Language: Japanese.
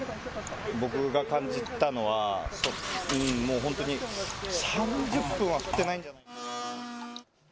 僕が感じたのは本当に３０分は降ってないんじゃないか。